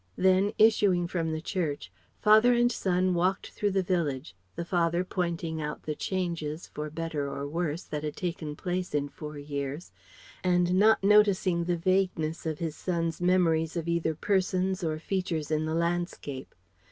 Then issuing from the church, father and son walked through the village, the father pointing out the changes for better or worse that had taken place in four years, and not noticing the vagueness of his son's memories of either persons or features in the landscape.